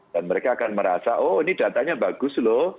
dan mereka akan merasa oh ini datanya bagus loh